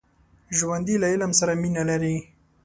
ژوندي له علم سره مینه لري